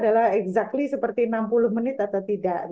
adalah exactly seperti enam puluh menit atau tidak